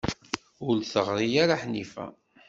Ur d-teɣri ara Ḥnifa.